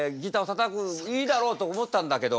いいだろうと思ったんだけど。